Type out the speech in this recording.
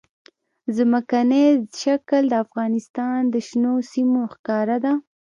ځمکنی شکل د افغانستان د شنو سیمو ښکلا ده.